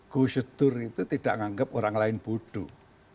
gusdur itu tidak menganggap orang lain bodoh